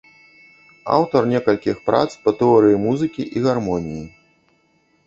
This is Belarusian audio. Аўтар некалькіх прац па тэорыі музыкі і гармоніі.